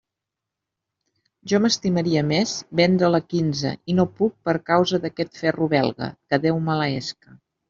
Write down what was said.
Jo m'estimaria més vendre'l a quinze i no puc per causa d'aquest ferro belga, que Déu maleesca.